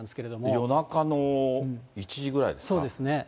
夜中の１時ぐらいですか。